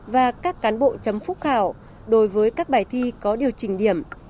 và các cán bộ chấm phúc khảo đối với các bài thi có điều chỉnh điểm